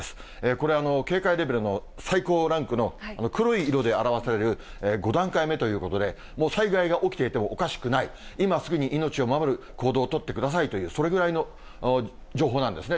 これは警戒レベルの最高ランクの黒い色で表される５段階目ということで、もう災害が起きていてもおかしくない、今すぐに命を守る行動を取ってくださいという、それぐらいの情報なんですね。